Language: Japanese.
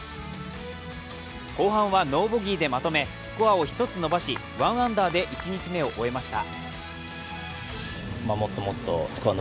後半はノーボギーでまとめスコアを１つ伸ばし１アンダーで１日目を終えました。